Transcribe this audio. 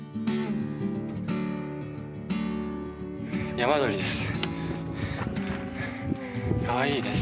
山鳥です。